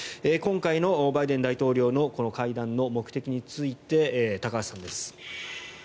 今回のバイデン大統領のこの会談の目的について高橋さんです。